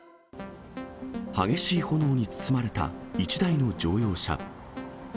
激しい炎に包まれた１台の乗用車。